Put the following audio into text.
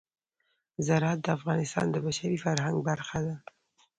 زراعت د افغانستان د بشري فرهنګ برخه ده.